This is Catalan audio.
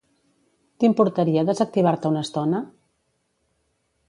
T'importaria desactivar-te una estona?